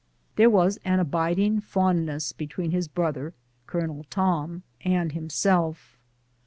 There was an abiding fondness between his brother, Colonel Tom, and himself.